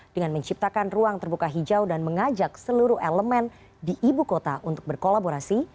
dengan menciptakan ruang terbuka hijau dan mengajak seluruh elemen di ibu kota untuk berkolaborasi